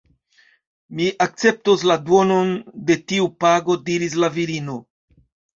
Mi akceptos la duonon de tiu pago diris la virino.